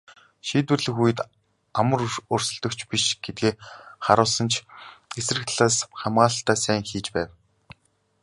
Шийдвэрлэх үед амар өрсөлдөгч биш гэдгээ харуулсан ч эсрэг талаас хамгаалалтаа сайн хийж байв.